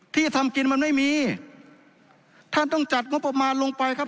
ที่ทำกินมันไม่มีท่านต้องจัดงบประมาณลงไปครับ